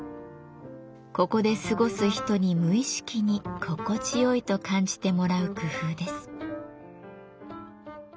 ここで過ごす人に無意識に心地よいと感じてもらう工夫です。